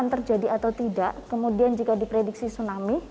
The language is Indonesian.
jika berdasarkan kemanusiaan yang ditemukan